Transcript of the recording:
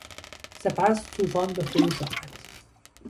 سپس توفان به خروش آمد.